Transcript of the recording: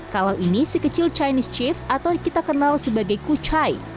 kalau ini si kecil chinese chips atau kita kenal sebagai kuchai